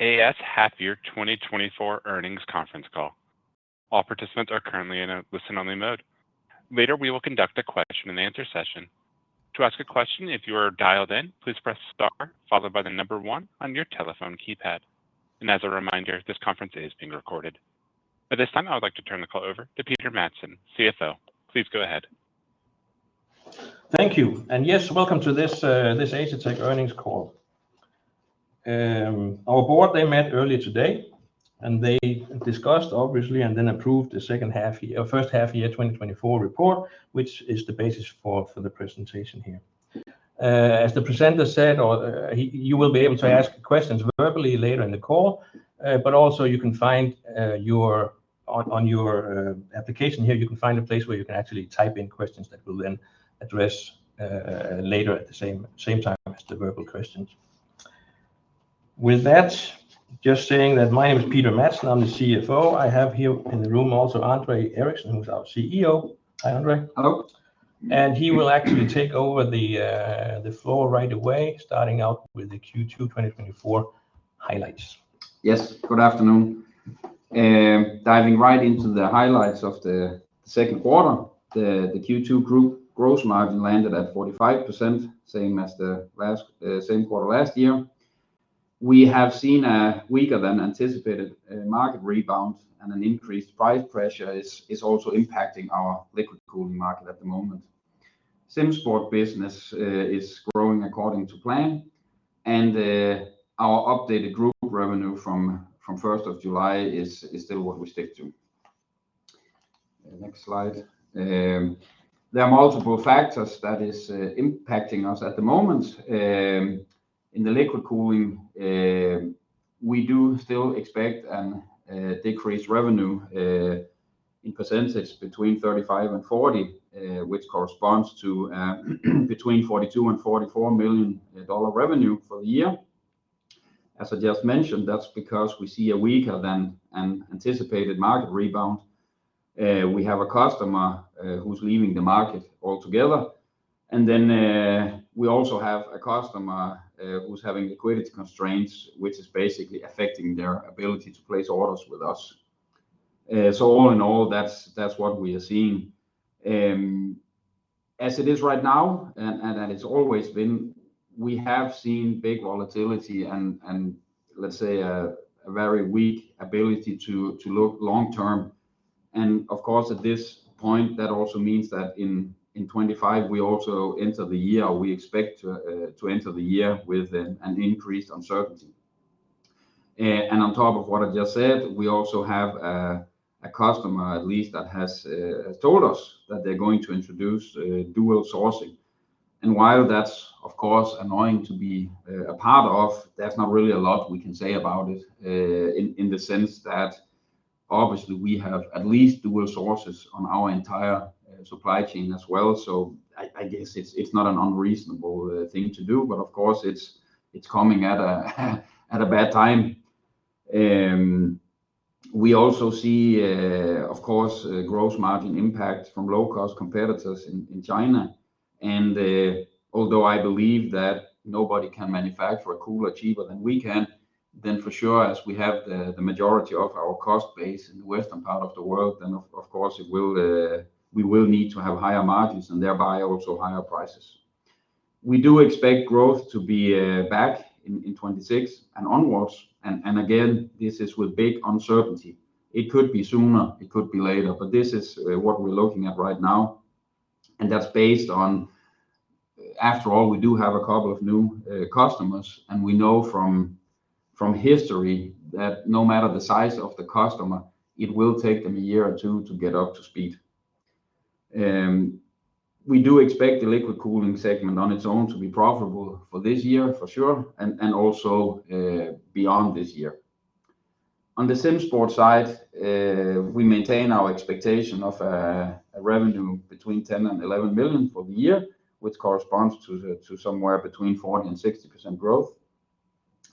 Asetek Half-Year 2024 earnings conference call. All participants are currently in a listen-only mode. Later, we will conduct a question-and-answer session. To ask a question, if you are dialed in, please press star followed by one on your telephone keypad. As a reminder, this conference is being recorded. At this time, I would like to turn the call over to Peter Madsen, CFO. Please go ahead. Thank you. Yes, welcome to this Asetek earnings call. Our board, they met earlier today, and they discussed, obviously, and then approved the second half year, first half year 2024 report, which is the basis for the presentation here. As the presenter said, you will be able to ask questions verbally later in the call, but also you can find on your application here a place where you can actually type in questions that we'll then address later at the same time as the verbal questions. With that, just saying that my name is Peter Madsen, I'm the CFO. I have here in the room also André Eriksen, who's our CEO. Hi, André. Hello. He will actually take over the floor right away, starting out with the Q2 2024 highlights. Yes, good afternoon. Diving right into the highlights of the second quarter, the Q2 group gross margin landed at 45%, same as the last, same quarter last year. We have seen a weaker than anticipated market rebound, and an increased price pressure is also impacting our liquid cooling market at the moment. SimSport business is growing according to plan, and our updated group revenue from first of July is still what we stick to. Next slide. There are multiple factors that is impacting us at the moment. In the liquid cooling, we do still expect a decreased revenue in percentage between 35%-40%, which corresponds to between $42 million and $44 million revenue for the year. As I just mentioned, that's because we see a weaker than an anticipated market rebound. We have a customer who's leaving the market altogether, and then we also have a customer who's having liquidity constraints, which is basically affecting their ability to place orders with us. So all in all, that's, that's what we are seeing. As it is right now, and, and it's always been, we have seen big volatility and, and let's say, a, a very weak ability to, to look long term and of course, at this point, that also means that in 2025, we also enter the year, we expect to enter the year with an increased uncertainty. On top of what I just said, we also have a customer at least that has told us that they're going to introduce dual sourcing. While that's of course annoying to be a part of, there's not really a lot we can say about it, in the sense that obviously we have at least dual sources on our entire supply chain as well. So I guess it's not an unreasonable thing to do, but of course, it's coming at a bad time. We also see, of course, a gross margin impact from low-cost competitors in China. Although I believe that nobody can manufacture a cooler cheaper than we can, then for sure, as we have the majority of our cost base in the western part of the world, then of course, it will, we will need to have higher margins and thereby also higher prices. We do expect growth to be back in 2026 and onwards, and again, this is with big uncertainty. It could be sooner, it could be later, but this is what we're looking at right now, and that's based on... After all, we do have a couple of new customers, and we know from history that no matter the size of the customer, it will take them a year or two to get up to speed. We do expect the liquid cooling segment on its own to be profitable for this year for sure, and also beyond this year. On the SimSport side, we maintain our expectation of a revenue between $10 million-$11 million for the year, which corresponds to somewhere between 40%-60% growth.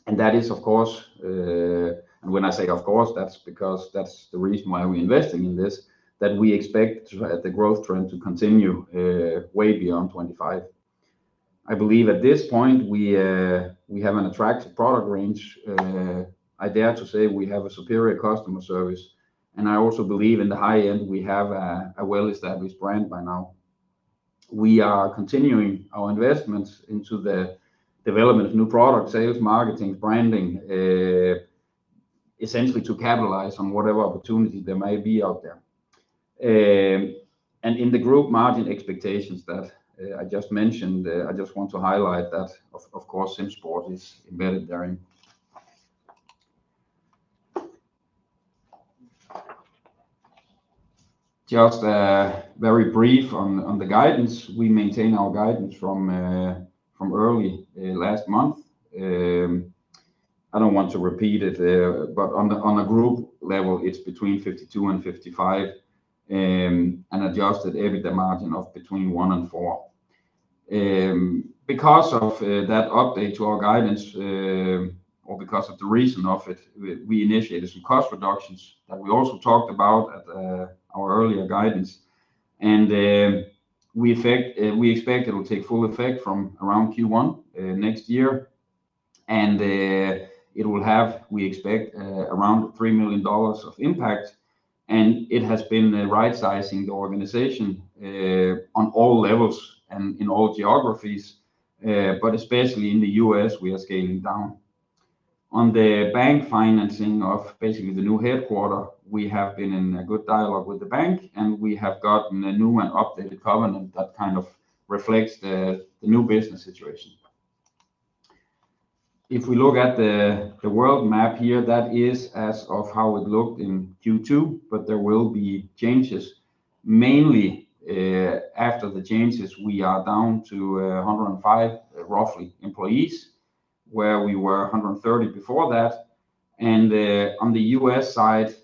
That is, of course, and when I say of course, that's because that's the reason why we're investing in this, that we expect the growth trend to continue way beyond 25. I believe at this point, we have an attractive product range. I dare to say we have a superior customer service, and I also believe in the high end, we have a well-established brand by now. We are continuing our investments into the development of new product sales, marketing, branding, essentially to capitalize on whatever opportunity there may be out there. In the group margin expectations that I just mentioned, I just want to highlight that, of course, SimSports is embedded therein. Just very brief on the guidance. We maintain our guidance from early last month. I don't want to repeat it, but on a group level, it's between 52-55, and adjusted EBITDA margin of between 1%-4%, because of that update to our guidance, or because of the reason of it, we initiated some cost reductions that we also talked about at our earlier guidance. We expect it will take full effect from around Q1 next year. It will have, we expect, around $3 million of impact, and it has been the right sizing the organization on all levels and in all geographies, but especially in the U.S., we are scaling down. On the bank financing of basically the new headquarters, we have been in a good dialogue with the bank, and we have gotten a new and updated covenant that kind of reflects the new business situation. If we look at the world map here, that is as of how it looked in Q2, but there will be changes. Mainly, after the changes, we are down to, roughly, 105 employees, where we were 130 before that and, on the U.S. side,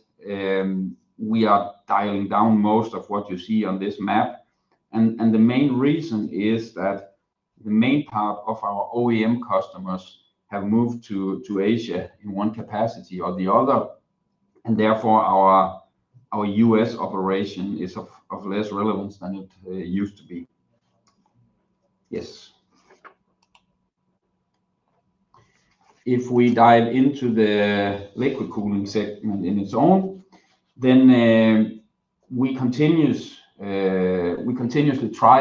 we are dialing down most of what you see on this map and, the main reason is that the main part of our OEM customers have moved to Asia in one capacity or the other, and therefore, our U.S. operation is of less relevance than it used to be. Yes. If we dive into the liquid cooling segment in its own, then we continue to try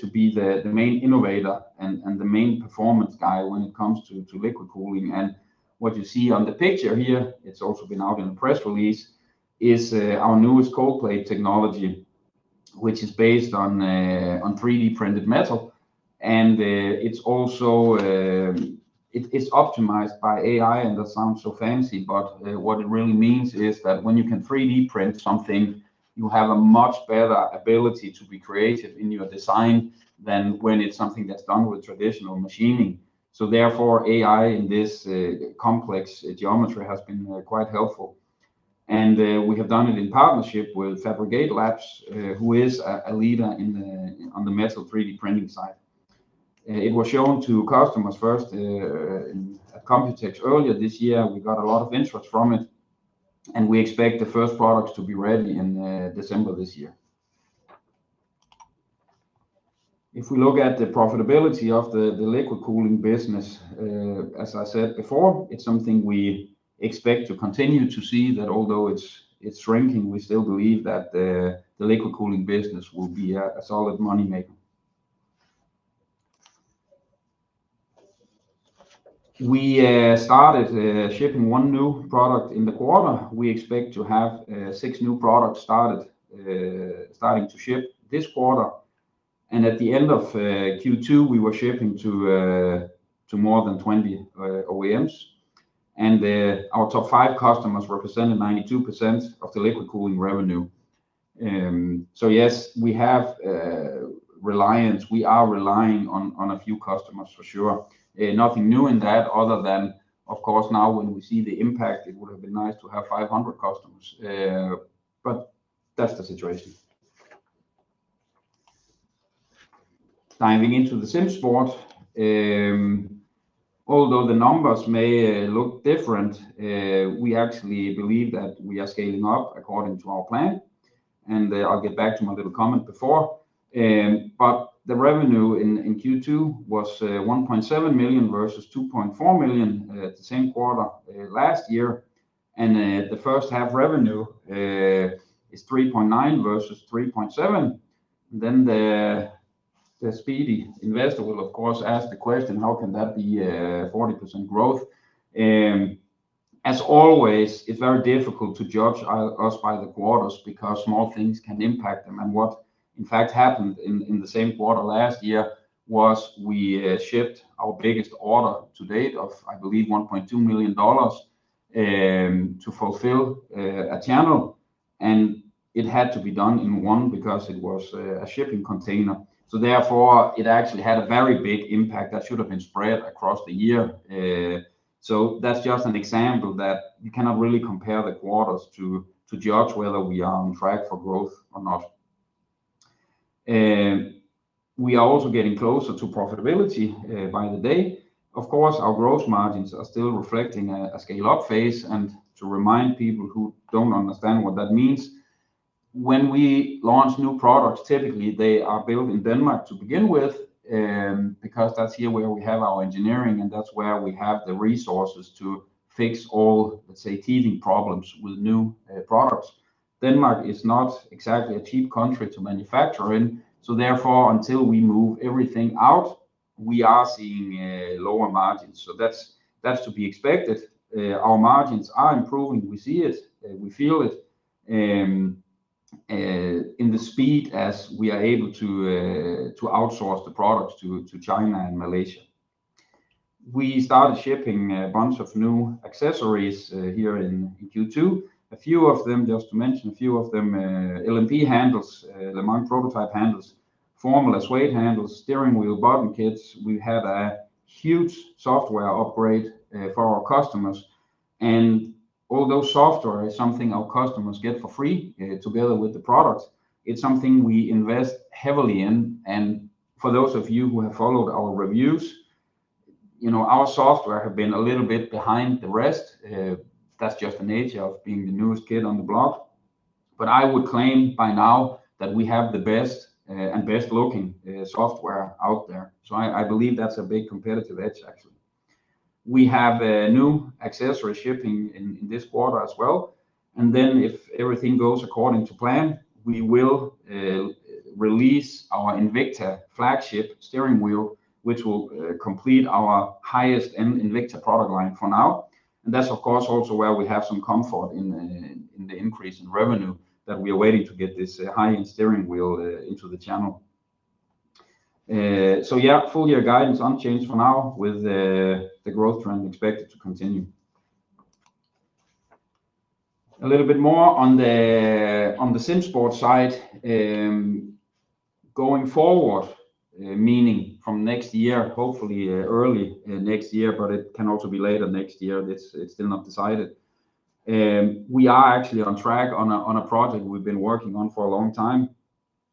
to be the main innovator and the main performance guy when it comes to liquid cooling and what you see on the picture here, it's also been out in the press release, is our newest cold plate technology, which is based on 3D printed metal. It is optimized by AI, and that sounds so fancy, but what it really means is that when you can 3D print something, you have a much better ability to be creative in your design than when it's something that's done with traditional machining. So therefore, AI in this complex geometry has been quite helpful. We have done it in partnership with Fabric8Labs, who is a leader on the metal 3D printing side. It was shown to customers first at Computex earlier this year. We got a lot of interest from it, and we expect the first products to be ready in December this year. If we look at the profitability of the liquid cooling business, as I said before, it's something we expect to continue to see, that although it's shrinking, we still believe that the liquid cooling business will be a solid money maker. We started shipping one new product in the quarter. We expect to have six new products starting to ship this quarter. At the end of Q2, we were shipping to more than 20 OEMs. Our top 5 customers represented 92% of the liquid cooling revenue. So yes, we have reliance - we are relying on a few customers, for sure. Nothing new in that, other than, of course, now when we see the impact, it would have been nice to have 500 customers but that's the situation. Diving into the SimSports, although the numbers may look different, we actually believe that we are scaling up according to our plan, and I'll get back to my little comment before. But the revenue in Q2 was $1.7 million versus $2.4 million the same quarter last year. The first half revenue is 3.9 versus 3.7. Then the speedy investor will, of course, ask the question, "How can that be, 40% growth?" As always, it's very difficult to judge us by the quarters because small things can impact them. What, in fact, happened in the same quarter last year was we shipped our biggest order to-date of, I believe, $1.2 million, to fulfill a channel, and it had to be done in one because it was a shipping container. So therefore, it actually had a very big impact that should have been spread across the year. So that's just an example that you cannot really compare the quarters to judge whether we are on track for growth or not. We are also getting closer to profitability by the day. Of course, our growth margins are still reflecting a scale-up phase and to remind people who don't understand what that means, when we launch new products, typically, they are built in Denmark to begin with, because that's here where we have our engineering, and that's where we have the resources to fix all, let's say, teething problems with new products. Denmark is not exactly a cheap country to manufacture in, so therefore, until we move everything out, we are seeing lower margins. So that's, that's to be expected. Our margins are improving. We see it, and we feel it in the speed as we are able to outsource the products to China and Malaysia. We started shipping a bunch of new accessories here in Q2. A few of them, just to mention, a few of them, LMP handles, Le Mans Prototype handles, Formula suede handles, steering wheel button kits. We have a huge software upgrade for our customers, and although software is something our customers get for free, together with the product, it's something we invest heavily in. For those of you who have followed our reviews, you know, our software have been a little bit behind the rest. That's just the nature of being the newest kid on the block, but I would claim by now that we have the best, and best looking, software out there. So I believe that's a big competitive edge, actually. We have a new accessory shipping in this quarter as well, and then if everything goes according to plan, we will release our Invicta flagship steering wheel, which will complete our highest end Invicta product line for now and that's, of course, also where we have some comfort in the increase in revenue that we are waiting to get this high-end steering wheel into the channel. So yeah, full year guidance unchanged for now with the growth trend expected to continue. A little bit more on the sim sport side. Going forward, meaning from next year, hopefully early next year, but it can also be later next year, it's still not decided. We are actually on track on a project we've been working on for a long time,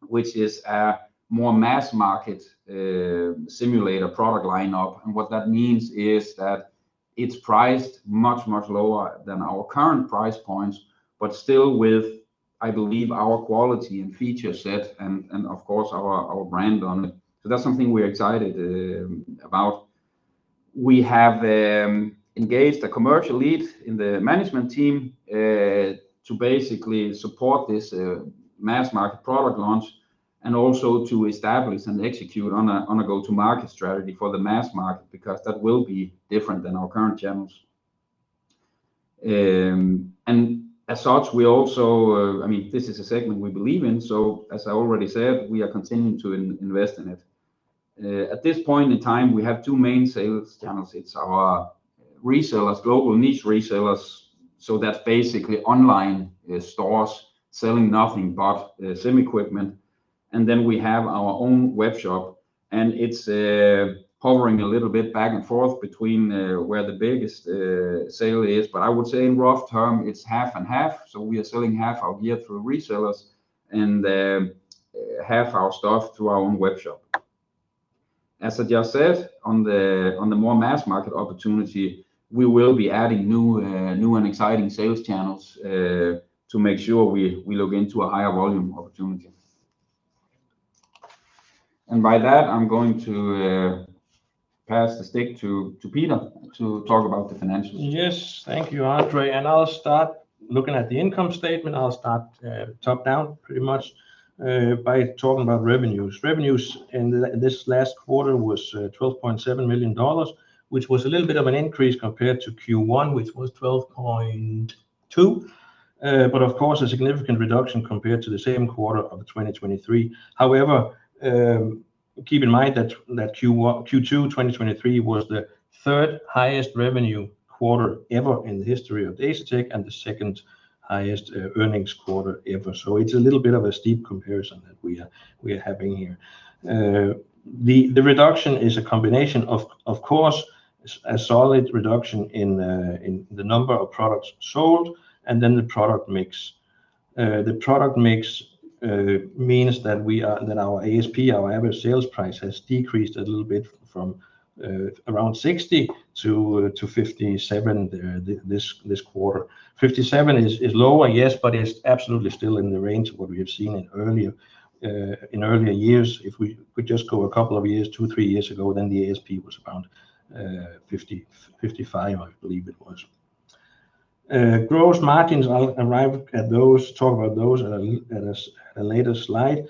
which is a more mass-market simulator product lineup and what that means is that it's priced much, much lower than our current price points, but still with, I believe, our quality and feature set and, and of course, our, our brand on it. So that's something we're excited about. We have engaged a commercial lead in the management team to basically support this mass-market product launch and also to establish and execute on a go-to-market strategy for the mass-market, because that will be different than our current channels. As such, we also, I mean, this is a segment we believe in, so as I already said, we are continuing to invest in it. At this point in time, we have two main sales channels. It's our resellers, global niche resellers, so that's basically online stores selling nothing but sim equipment. Then we have our own web shop, and it's hovering a little bit back and forth between where the biggest sale is but I would say in rough terms, it's half and half. So we are selling half our gear through resellers and half our stuff through our own web shop. As I just said, on the more mass market opportunity, we will be adding new and exciting sales channels to make sure we look into a higher volume opportunity. By that, I'm going to pass the stick to Peter to talk about the financials. Yes, thank you, André, and I'll start looking at the income statement. I'll start top down pretty much by talking about revenues. Revenues in this last quarter was $12.7 million, which was a little bit of an increase compared to Q1, which was $12.2 million but of course, a significant reduction compared to the same quarter of 2023. However, keep in mind that Q2 2023 was the third highest revenue quarter ever in the history of Asetek and the second highest earnings quarter ever. So it's a little bit of a steep comparison that we are having here. The reduction is a combination of, of course, a solid reduction in the number of products sold and then the product mix. The product mix means that we are that our ASP, our average sales price, has decreased a little bit from around $60-$57 this quarter. 57 is lower, yes, but it's absolutely still in the range of what we have seen in earlier years. If we just go a couple of years, two, three years ago, then the ASP was around $50-$55, I believe it was. Gross margins, I'll arrive at those, talk about those at a later slide.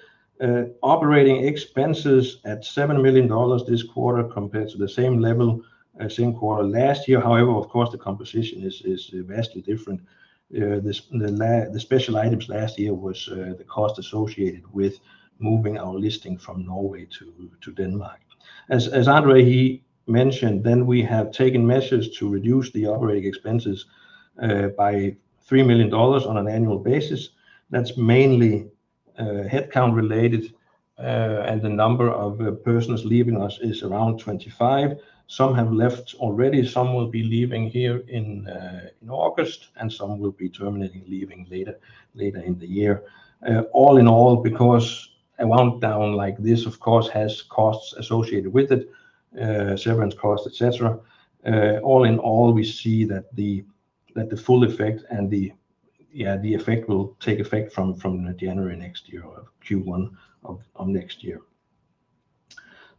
Operating expenses at $7 million this quarter, compared to the same level, same quarter last year. However, of course, the composition is vastly different. The special items last year was the cost associated with moving our listing from Norway to Denmark. As André mentioned, we have taken measures to reduce the operating expenses by $3 million on an annual basis. That's mainly headcount related, and the number of persons leaving us is around 25. Some have left already, some will be leaving here in August, and some will be terminating, leaving later in the year. All in all, because a rundown like this, of course, has costs associated with it, severance costs, et cetera. All in all, we see that the full effect and the effect will take effect from January next year, or Q1 of next year.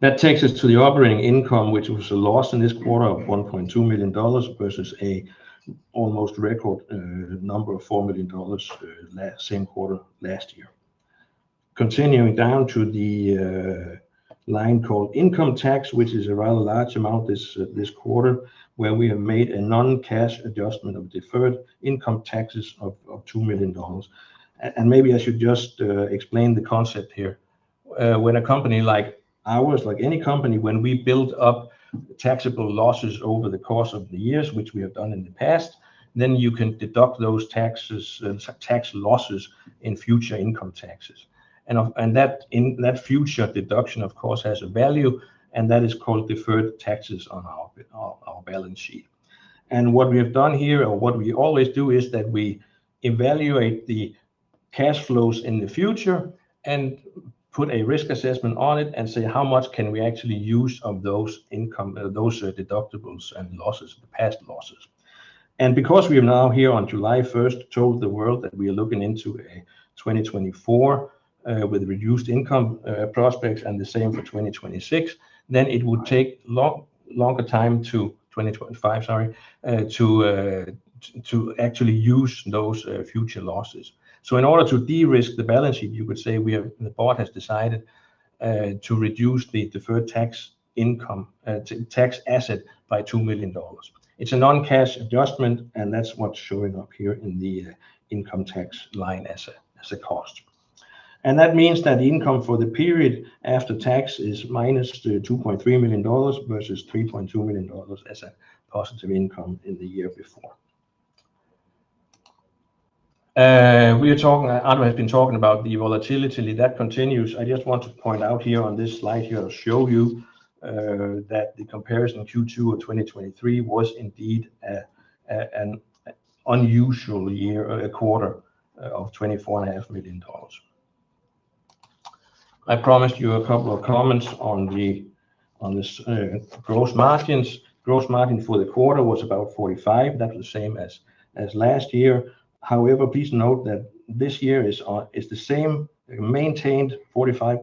That takes us to the operating income, which was a loss in this quarter of $1.2 million, versus an almost record number of $4 million same quarter last year. Continuing down to the line called income tax, which is a rather large amount this quarter, where we have made a non-cash adjustment of deferred income taxes of $2 million. Maybe I should just explain the concept here. When a company like ours, like any company, when we build up taxable losses over the course of the years, which we have done in the past, then you can deduct those tax losses in future income taxes and that future deduction, of course, has a value, and that is called deferred taxes on our balance sheet. What we have done here, or what we always do, is that we evaluate the cash flows in the future and put a risk assessment on it and say, "How much can we actually use of those income deductibles and losses, the past losses?" Because we have now here on July first told the world that we are looking into a 2024 with reduced income prospects and the same for 2026, then it will take longer time to 2025, sorry, to actually use those future losses. In order to de-risk the balance sheet, you could say the board has decided to reduce the deferred tax asset by $2 million. It's a non-cash adjustment, and that's what's showing up here in the income tax line as a cost. That means that the income for the period after tax is minus $2.3 million, versus $3.2 million as a positive income in the year before. We are talking - André has been talking about the volatility, that continues. I just want to point out here on this slide here to show you that the comparison of Q2 of 2023 was indeed an unusual year, a quarter of $24.5 million. I promised you a couple of comments on this gross margins. Gross margin for the quarter was about 45%. That was the same as last year. However, please note that this year is the same, maintained 45%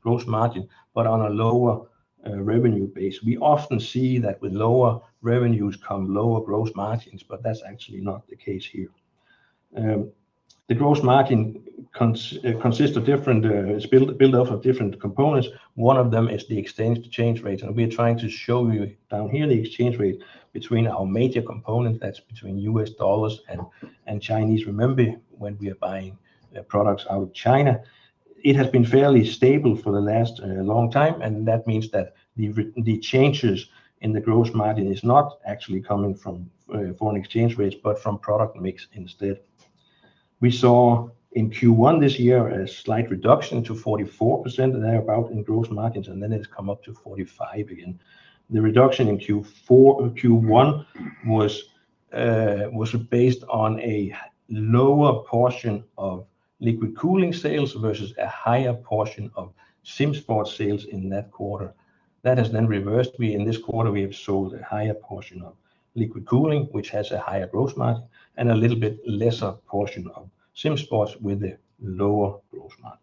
gross margin, but on a lower revenue base. We often see that with lower revenues come lower gross margins, but that's actually not the case here. The gross margin consists of different, it's built up of different components. One of them is the exchange rate, and we are trying to show you down here the exchange rate between our major currencies, that's between U.S. dollars and Chinese renminbi when we are buying products out of China. It has been fairly stable for the last long time, and that means that the changes in the gross margin is not actually coming from foreign exchange rates, but from product mix instead. We saw in Q1 this year a slight reduction to 44%, thereabout, in gross margins, and then it's come up to 45% again. The reduction in Q4, or Q1 was based on a lower portion of liquid cooling sales versus a higher portion of SimSports sales in that quarter. That has then reversed. We, in this quarter, we have sold a higher portion of liquid cooling, which has a higher gross margin, and a little bit lesser portion of SimSports with a lower gross margin.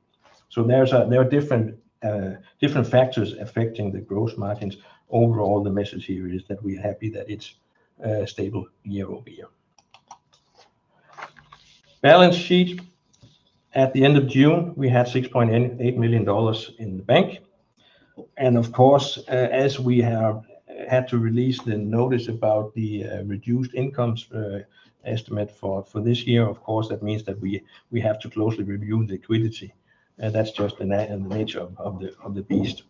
So there are different factors affecting the gross margins. Overall, the message here is that we are happy that it's stable year-over-year. Balance sheet. At the end of June, we had $6.8 million in the bank, and of course, as we have had to release the notice about the reduced income estimate for this year, of course, that means that we have to closely review the liquidity, and that's just the nature of the beast.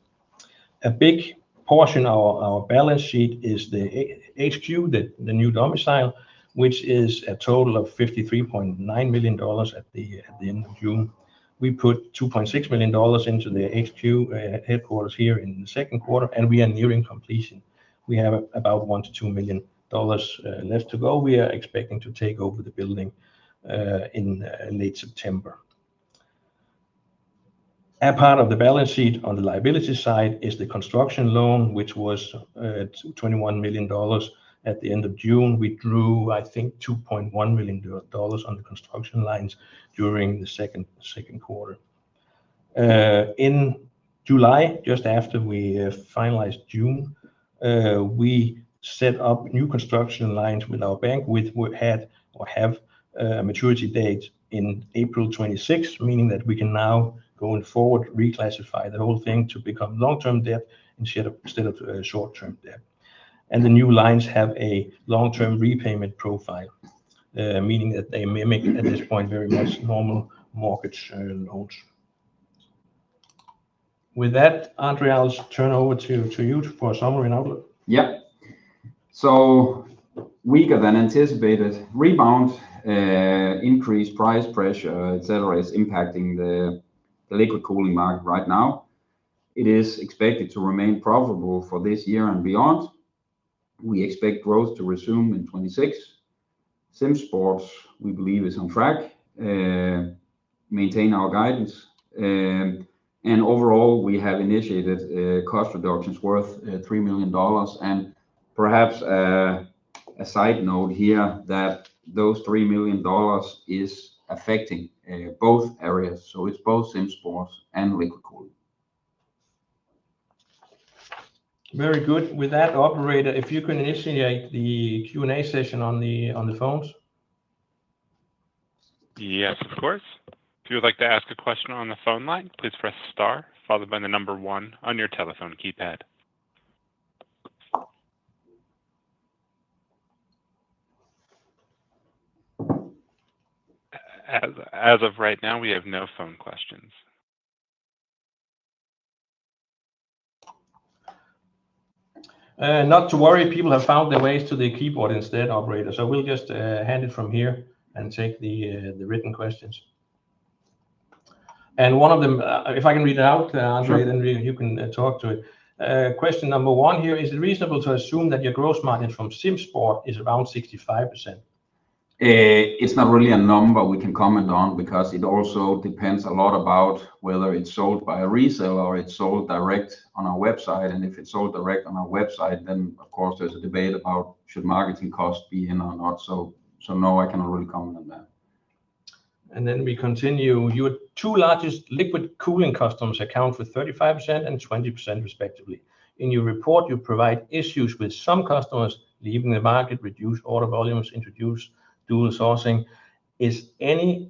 A big portion of our balance sheet is the HQ, the new domicile, which is a total of $53.9 million at the end of June. We put $2.6 million into the HQ headquarters here in the second quarter, and we are nearing completion. We have about $1-$2 million left to go. We are expecting to take over the building in late September. A part of the balance sheet on the liability side is the construction loan, which was $21 million at the end of June. We drew, I think, $2.1 million on the construction lines during the second quarter. In July, just after we finalized June, we set up new construction lines with our bank, which we had or have a maturity date in April 2026, meaning that we can now, going forward, reclassify the whole thing to become long-term debt instead of short-term debt. The new lines have a long-term repayment profile, meaning that they mimic, at this point, very much normal mortgage notes. With that, André, I'll turn over to you for a summary and outlook. Yep. So weaker than anticipated rebound, increased price pressure, et cetera, is impacting the liquid cooling market right now. It is expected to remain profitable for this year and beyond. We expect growth to resume in 2026. SimSports, we believe, is on track. Maintain our guidance. Overall, we have initiated cost reductions worth $3 million. And perhaps, a side note here, that those $3 million is affecting both areas, so it's both SimSports and liquid cooling. Very good. With that, operator, if you can initiate the Q&A session on the phones. Yes, of course. If you would like to ask a question on the phone line, please press star, followed by the number one on your telephone keypad. As of right now, we have no phone questions. Not to worry, people have found their way to the keyboard instead, operator, so we'll just hand it from here and take the written questions. One of them, if I can read it out. Sure. André you can talk to. Question number one here: Is it reasonable to assume that your gross margin from SimSports is around 65%? It's not really a number we can comment on, because it also depends a lot about whether it's sold by a reseller or it's sold direct on our website and if it's sold direct on our website, then of course, there's a debate about should marketing costs be in or not. So no, I cannot really comment on that. Then we continue. Your two largest liquid cooling customers account for 35% and 20% respectively. In your report, you provide issues with some customers leaving the market, reduced order volumes, introduced dual sourcing. Is it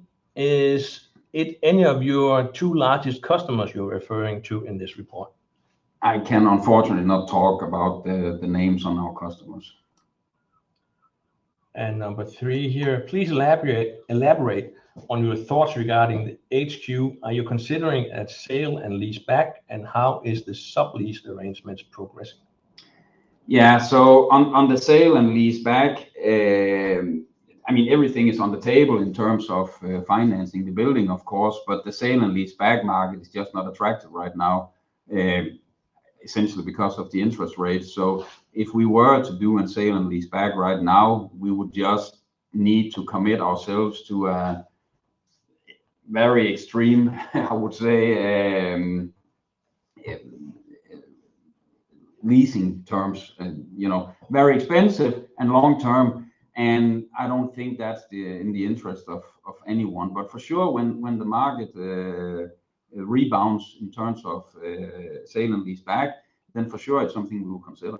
any of your two largest customers you're referring to in this report? I can unfortunately not talk about the names on our customers. Number three here, please elaborate, elaborate on your thoughts regarding the HQ. Are you considering a sale and leaseback, and how is the sublease arrangements progressing? Yeah, so on the sale and leaseback, I mean, everything is on the table in terms of financing the building, of course, but the sale and leaseback market is just not attractive right now, essentially because of the interest rates. So if we were to do a sale and leaseback right now, we would just need to commit ourselves to a very extreme, I would say, leasing terms and, you know, very expensive and long-term, and I don't think that's in the interest of anyone, but for sure, when the market rebounds in terms of sale and leaseback, then for sure it's something we'll consider.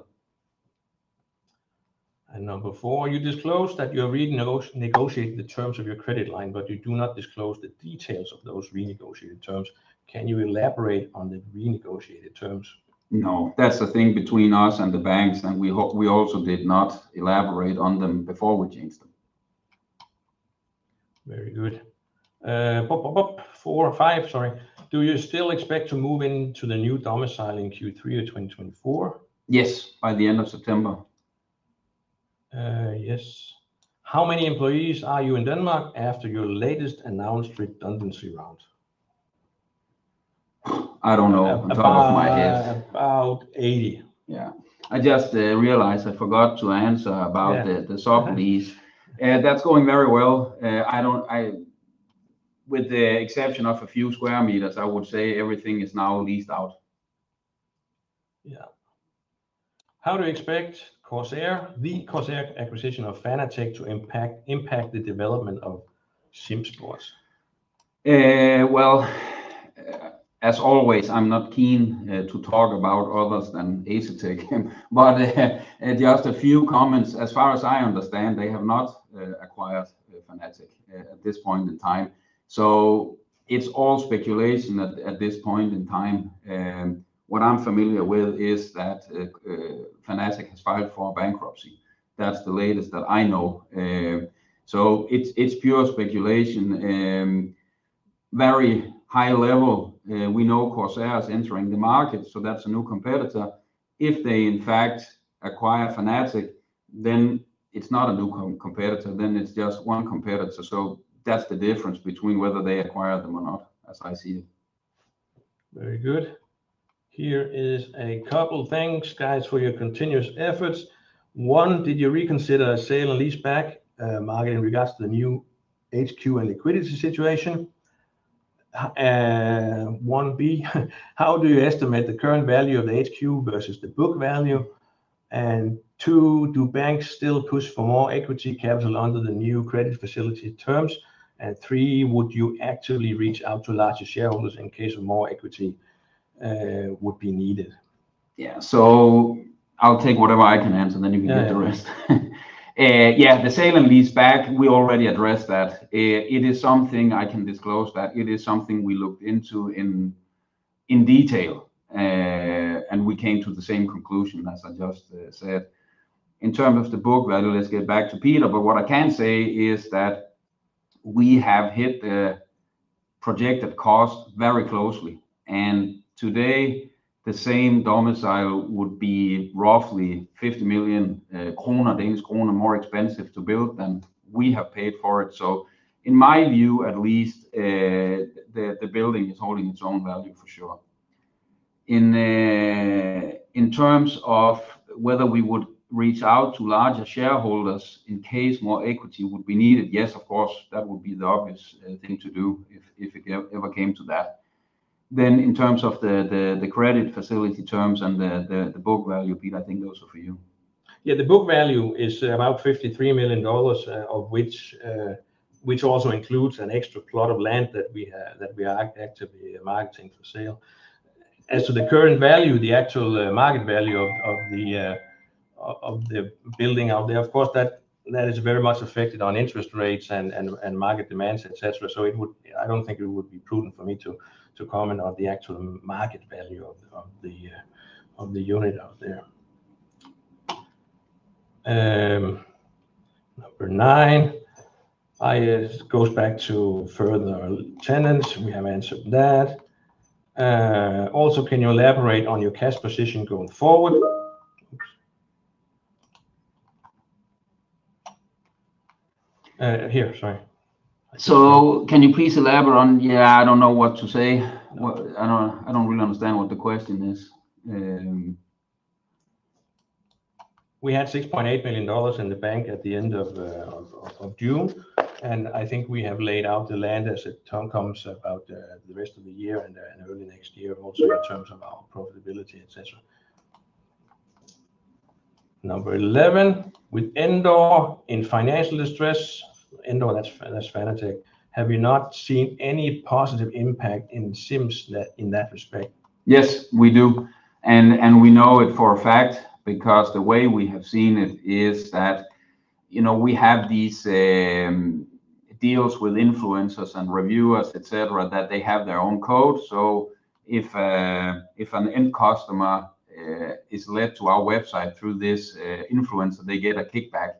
Number four, you disclosed that you're negotiating the terms of your credit line, but you do not disclose the details of those renegotiated terms. Can you elaborate on the renegotiated terms? No. That's a thing between us and the banks, and we also did not elaborate on them before we changed them. Very good. Do you still expect to move into the new domicile in Q3 of 2024? Yes, by the end of September. Yes. How many employees are you in Denmark after your latest announced redundancy round? I don't know off the top of my head. About 80. Yeah. I just realized I forgot to answer about the sublease. That's going very well. With the exception of a few square meters, I would say everything is now leased out. Yeah. How do you expect Corsair, the Corsair acquisition of Fanatec to impact the development of SimSports? Well, as always, I'm not keen to talk about others than Asetek, but just a few comments. As far as I understand, they have not acquired Fanatec at this point in time, so it's all speculation at this point in time. What I'm familiar with is that Fanatec has filed for bankruptcy. That's the latest that I know. So it's pure speculation. Very high level, we know Corsair is entering the market, so that's a new competitor. If they, in fact, acquire Fanatec, then it's not a new competitor, then it's just one competitor. So that's the difference between whether they acquire them or not, as I see it. Very good. Here is a couple: "Thanks, guys, for your continuous efforts." one, did you reconsider a sale and leaseback matter in regards to the new HQ and liquidity situation? 1B, how do you estimate the current value of the HQ versus the book value? Two, do banks still push for more equity capital under the new credit facility terms? Three, would you actually reach out to larger shareholders in case more equity would be needed? Yeah. So I'll take whatever I can answer, then you can get the rest. Yeah, the sale and lease back, we already addressed that. It is something I can disclose that it is something we looked into in detail, and we came to the same conclusion as I just said. In terms of the book value, let's get back to Peter, but what I can say is that we have hit the projected cost very closely, and today the same domicile would be roughly 50 million krone, more expensive to build than we have paid for it. So in my view, at least, the building is holding its own value for sure. In terms of whether we would reach out to larger shareholders in case more equity would be needed, yes, of course, that would be the obvious thing to do if it ever came to that. Then in terms of the credit facility terms and the book value, Peter, I think those are for you. Yeah, the book value is about $53 million, of which also includes an extra plot of land that we, that we are actively marketing for sale. As to the current value, the actual, market value of, of the, of, of the building out there, of course, that, that is very much affected on interest rates and, and, and market demands, etc. So it would- I don't think it would be prudent for me to, to comment on the actual market value of the, of the, of the unit out there. Number nine, it goes back to further tenants. We have answered that. Also, can you elaborate on your cash position going forward? Here, sorry. So can you please elaborate on. Yeah, I don't know what to say. I don't really understand what the question is. We had $6.8 billion in the bank at the end of June, and I think we have laid out the land, as the term comes, about the rest of the year and early next year also in terms of our profitability, et cetera. Number eleven, with Endor in financial distress, Endor, that's Fanatec, have you not seen any positive impact in SimSports in that respect? Yes, we do, and we know it for a fact because the way we have seen it is that, you know, we have these deals with influencers and reviewers, et cetera, that they have their own code. So if an end customer is led to our website through this influencer, they get a kickback.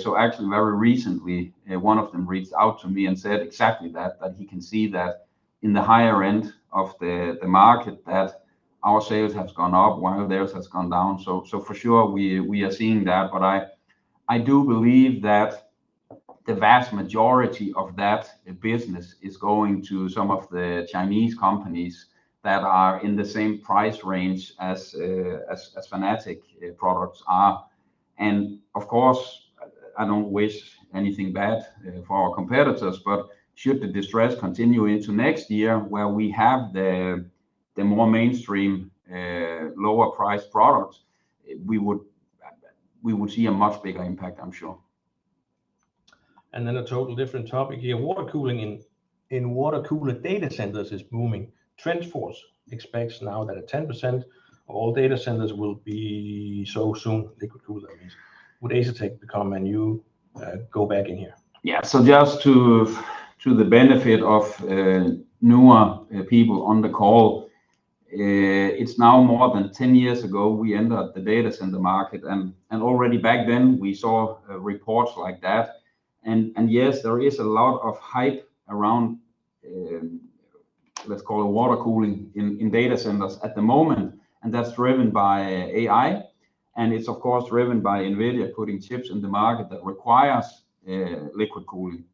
So actually, very recently, one of them reached out to me and said exactly that, that he can see that in the higher end of the market, that our sales have gone up while theirs has gone down. So for sure, we are seeing that, but I do believe that the vast majority of that business is going to some of the Chinese companies that are in the same price range as Fanatec products are. Of course, I don't wish anything bad for our competitors, but should the distress continue into next year, where we have the more mainstream, lower-priced products, we would see a much bigger impact, I'm sure. Then a total different topic here. Water cooling in water-cooled data centers is booming. TrendForce expects now that at 10%, all data centers will be so soon, liquid cooling, at least. Would Asetek become a new, go back in here? Yeah. So just to the benefit of newer people on the call, it's now more than 10 years ago, we entered the data center market and already back then, we saw reports like that, and yes, there is a lot of hype around, let's call it water cooling in data centers at the moment, and that's driven by AI, and it's of course driven by NVIDIA putting chips in the market that requires liquid cooling.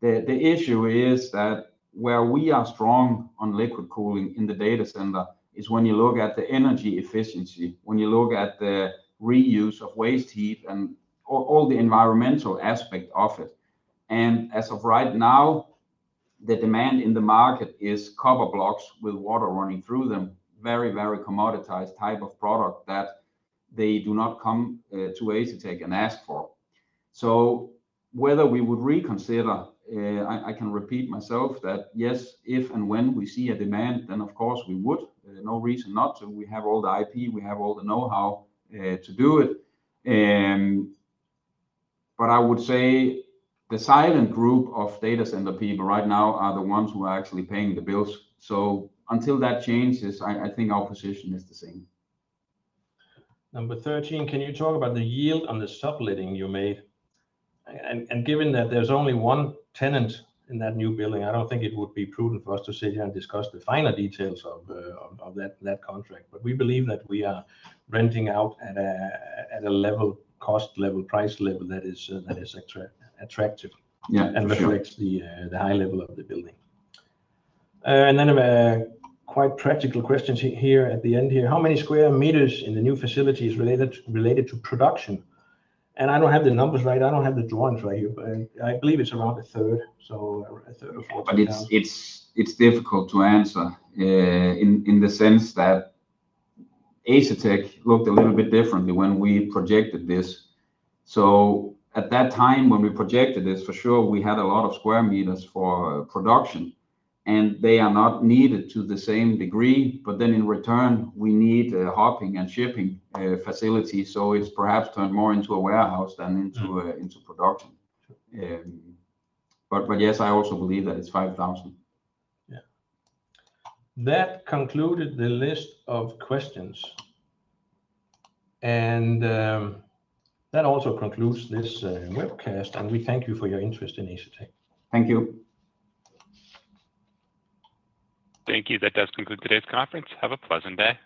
The issue is that where we are strong on liquid cooling in the data center is when you look at the energy efficiency, when you look at the reuse of waste heat and all the environmental aspect of it. As of right now, the demand in the market is copper blocks with water running through them, very, very commoditized type of product that they do not come to Asetek and ask for. So whether we would reconsider, I can repeat myself that, yes, if and when we see a demand, then of course we would. No reason not to. We have all the IP, we have all the know-how to do it, but I would say the silent group of data center people right now are the ones who are actually paying the bills. So until that changes, I think our position is the same. Number 13, can you talk about the yield on the subletting you made? Given that there's only one tenant in that new building, I don't think it would be prudent for us to sit here and discuss the finer details of that contract, but we believe that we are renting out at a level, cost level, price level that is attractive- Yeah, for sure.... and reflects the, the high level of the building. Then a quite practical question here at the end here. How many square meters in the new facility is related, related to production? I don't have the numbers right. I don't have the drawings right here, but I believe it's around a third, so a third or fourth. It's difficult to answer in the sense that Asetek looked a little bit differently when we projected this. So at that time, when we projected this, for sure, we had a lot of square meters for production, and they are not needed to the same degree, but then in return, we need a packing and shipping facility. So it's perhaps turned more into a warehouse than into production but yes, I also believe that it's 5,000. Yeah. That concluded the list of questions, and that also concludes this webcast, and we thank you for your interest in Asetek. Thank you. Thank you. That does conclude today's conference. Have a pleasant day.